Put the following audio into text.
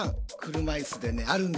車いすでねあるんですよ